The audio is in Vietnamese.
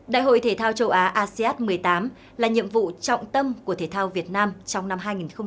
đại hội thể thao châu á asean một mươi tám là nhiệm vụ trọng tâm của thể thao việt nam trong năm hai nghìn hai mươi